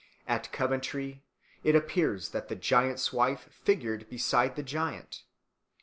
At Coventry it appears that the giant's wife figured beside the giant.